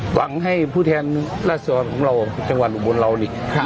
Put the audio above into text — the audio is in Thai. หวังให้ผู้แทนรัฐศาสตร์ของเราจังหวัดอุบันเรานี่ครับ